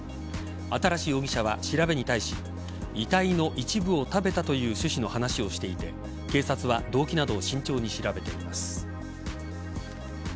新容疑者は調べに対し遺体の一部を食べたという趣旨の話をしていて警察は動機などを慎重に調べています。